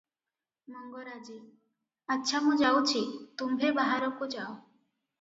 ମଙ୍ଗରାଜେ: ଆଚ୍ଛା ମୁଁ ଯାଉଛି, ତୁମ୍ଭେ ବାହାରକୁ ଯାଅ ।